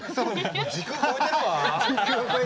時空超えてるわ！